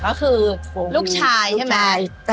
ก็คือลูกชายใช่ไหม